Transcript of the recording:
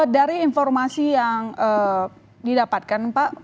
dari informasi yang didapatkan pak